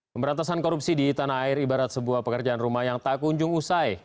pemberantasan korupsi di tanah air ibarat sebuah pekerjaan rumah yang tak kunjung usai